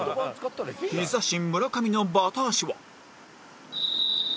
ヒザ神村上のバタ足は